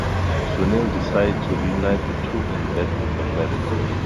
Sunil decides to reunite the two and get them married.